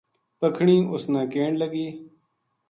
پکھنی اس نا کہن لگی